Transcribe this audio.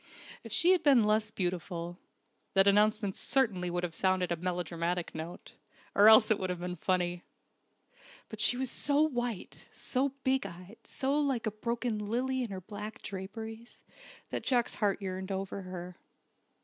If she had been less beautiful, that announcement certainly would have sounded a melodramatic note or else it would have been funny. But she was so white, so big eyed, so like a broken lily in her black draperies, that Jack's heart yearned over her.